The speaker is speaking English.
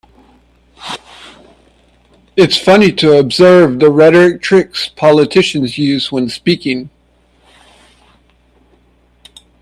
It's funny to observe the rhetoric tricks politicians use when speaking.